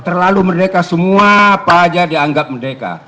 terlalu merdeka semua apa aja dianggap merdeka